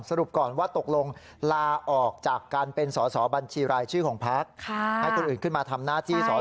สรุปก่อนว่าตกลงลาออกจากการกลับเป็นส